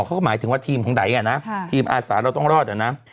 เขาก็หมายถึงว่าทีมของไดอ่ะนะทีมอาสาเราต้องรอดอ่ะนะ